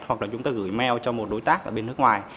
hoặc là chúng ta gửi mail cho một đối tác ở bên nước ngoài